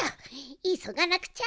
いそがなくちゃ！